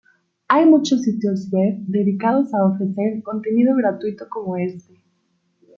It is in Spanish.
Hay muchos sitios web dedicados a ofrecer contenido gratuito como este.